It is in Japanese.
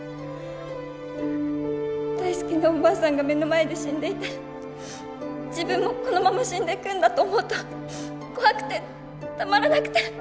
大好きなおばあさんが目の前で死んでいて自分もこのまま死んでいくんだと思うと怖くてたまらなくて。